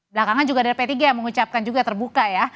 belakangan juga dari ptg mengucapkan juga terbuka ya